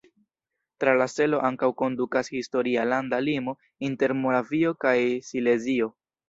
Tra la selo ankaŭ kondukas historia landa limo inter Moravio kaj Silezio.